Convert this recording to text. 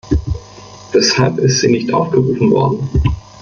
Weshalb ist sie nicht aufgerufen worden?